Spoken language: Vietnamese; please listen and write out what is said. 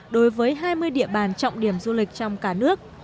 đối với hai mươi địa bàn trọng điểm du lịch trong cả nước